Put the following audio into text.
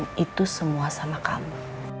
ngelakuin itu semua sama kamu